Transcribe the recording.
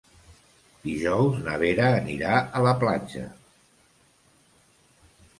Dijous na Vera anirà a la platja.